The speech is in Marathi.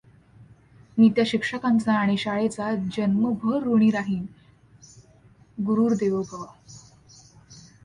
मी त्या शिक्षकांचा आणि शाळेचा जन्मभर ऋणी राहीन, गुरुर देवो भव.